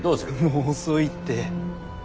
もう遅いって。